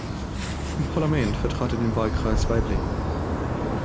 Im Parlament vertrat er den Wahlkreis Waiblingen.